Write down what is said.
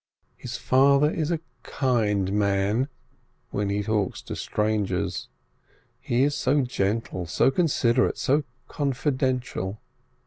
His father is a kind man when he talks to strangers, he is so gentle, so considerate, so confidential.